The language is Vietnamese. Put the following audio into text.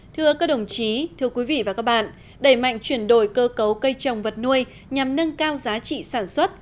thưa các đồng chí thưa quý vị và các bạn đẩy mạnh chuyển đổi cơ cấu cây trồng vật nuôi nhằm nâng cao giá trị sản xuất